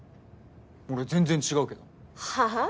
俺全然違うけどはぁ？